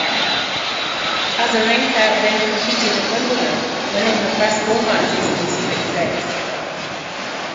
Azarenka then competed at Wimbledon, winning her first four matches in straight sets.